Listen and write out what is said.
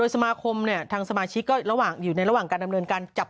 สมาคมเนี่ยทางสมาชิกก็ระหว่างอยู่ในระหว่างการดำเนินการจับ